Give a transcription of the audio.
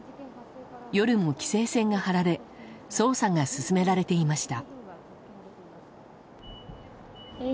夜も規制線が張られ捜査が進められていました。